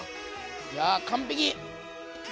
いや完璧！